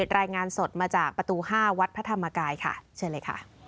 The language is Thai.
รายงานสดมาจากประตู๕วัดพระธรรมกายค่ะเชิญเลยค่ะ